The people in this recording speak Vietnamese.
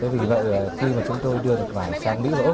vì vậy khi chúng tôi đưa quả vải sang mỹ và úc